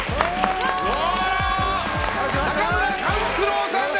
中村勘九郎さんです！